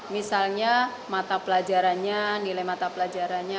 misalnya mata pelajarannya nilai mata pelajarannya